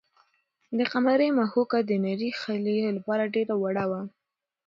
د قمرۍ مښوکه د نري خلي لپاره ډېره وړه وه.